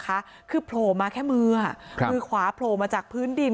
คือโผล่มาแค่มือมือขวาโผล่มาจากพื้นดิน